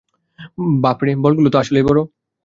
বাপরে, বলগুলো তো আসলেই বড়।